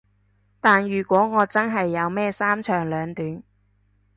但如果我真係有咩三長兩短